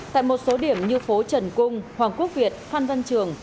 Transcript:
tại một số điểm như phố trần cung hoàng quốc việt phan văn trường